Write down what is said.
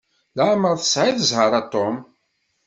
Leɛmeṛ tesɛiḍ zzheṛ a Tom.